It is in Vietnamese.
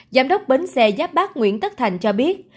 giám đốc bến xe giáp bát nguyễn tất thành cho biết